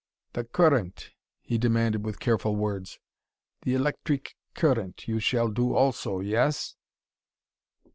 "The cur rent," he demanded with careful words, "the electreek cur rent, you shall do also. Yes?"